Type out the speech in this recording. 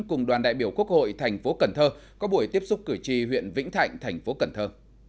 cùng đoàn đại biểu quốc hội thành phố cần thơ có buổi tiếp xúc cử tri huyện vĩnh thạnh thành phố cần thơ